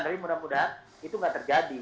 tapi mudah mudahan itu nggak terjadi